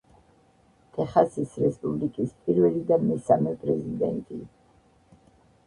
ტეხასის რესპუბლიკის პირველი და მესამე პრეზიდენტი.